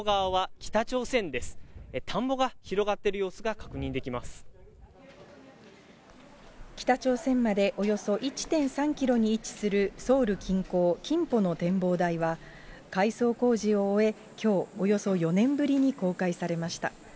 北朝鮮までおよそ１．３キロに位置するソウル近郊、キンポの展望台は、改装工事を終え、きょう、およそ４年ぶりに公開されました。